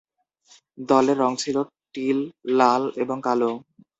দলের রং ছিল টিল, লাল এবং কালো।